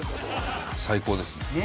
最高ですね。